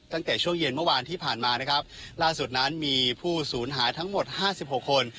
ตั้งแต่ช่วงเย็นเมื่อวานที่ผ่านมานะครับล่าสุดนั้นมีผู้สูญหายทั้งหมดห้าสิบหกคน